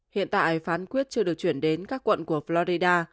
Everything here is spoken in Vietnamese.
hiện tại phán quyết chưa được chuyển đến các quận của florida